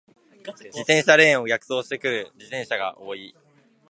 自転車レーンを逆走してくる自転車が多い。